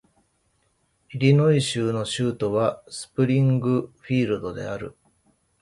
イリノイ州の州都はスプリングフィールドである